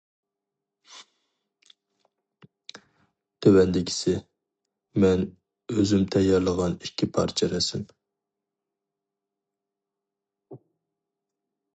تۆۋەندىكىسى مەن ئۆزۈم تەييارلىغان ئىككى پارچە رەسىم.